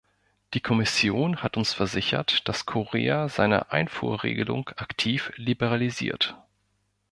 Die Kommission hat uns versichert, dass Korea seine Einfuhrregelung aktiv liberalisiert.